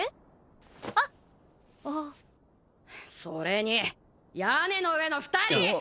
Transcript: それに屋根の上の２人！